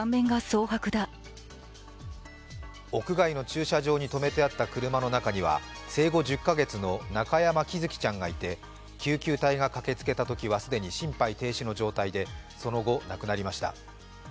屋外の駐車場に止めてあった車の中には生後１０か月の中山喜寿生ちゃんがいて、救急隊が駆けつけたときには既に心肺停止の状態で、その後、亡くなりました。